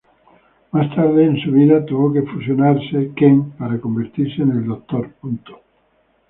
Más tarde en su vida, tuvo que fusionarse Kent para convertirse en el Dr.